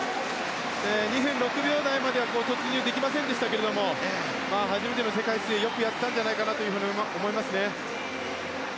２分６秒台までは突入できませんでしたけども初めての世界水泳でよくやったんじゃないかなと思います。